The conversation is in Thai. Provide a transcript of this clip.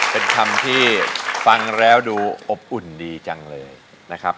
เป็นคำที่ฟังแล้วดูอบอุ่นดีจังเลยนะครับ